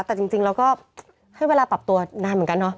แต่จริงเราก็ให้เวลาปรับตัวนานเหมือนกันเนาะ